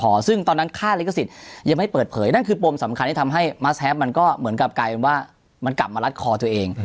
ซึ่งตอนนั้นค่าลิขสิทธิ์ยังไม่เปิดเผยนั่นคือปมสำคัญที่ทำให้มัสแฮปมันก็เหมือนกับกลายเป็นว่ามันกลับมารัดคอตัวเอง